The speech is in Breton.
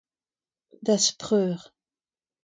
da'z preur.